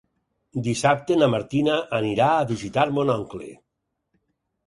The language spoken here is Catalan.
Dissabte na Martina anirà a visitar mon oncle.